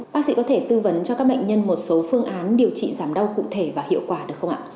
bác sĩ có thể tư vấn cho các bệnh nhân một số phương án điều trị giảm đau cụ thể và hiệu quả được không ạ